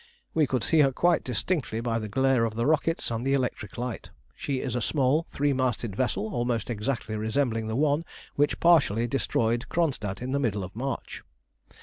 We could see her quite distinctly by the glare of the rockets and the electric light. She is a small three masted vessel almost exactly resembling the one which partially destroyed Kronstadt in the middle of March.